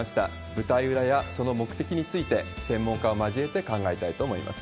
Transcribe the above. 舞台裏や、その目的について、専門家を交えて考えたいと思います。